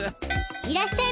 いらっしゃいませ！